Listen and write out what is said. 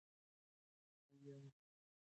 ایا تاسو سونا ته تلل غواړئ؟